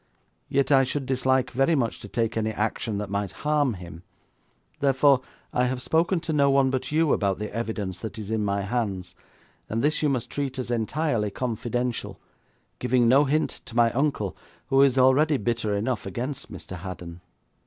Yet I should dislike very much to take any action that might harm him, therefore I have spoken to no one but you about the evidence that is in my hands, and this you must treat as entirely confidential, giving no hint to my uncle, who is already bitter enough against Mr. Haddon.'